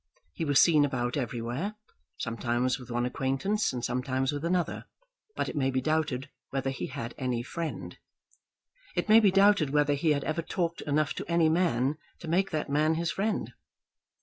He was seen about everywhere, sometimes with one acquaintance and sometimes with another; but it may be doubted whether he had any friend. It may be doubted whether he had ever talked enough to any man to make that man his friend.